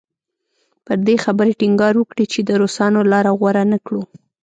پر دې خبرې ټینګار وکړي چې د روسانو لاره غوره نه کړو.